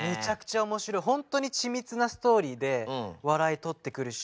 ホントに緻密なストーリーで笑いとってくるし